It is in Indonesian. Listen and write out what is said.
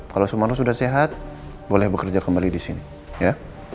kalau sumarno sudah sehat boleh bekerja kembali di sini ya